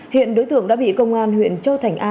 hiện đối tượng đã bị công an huyện châu thành a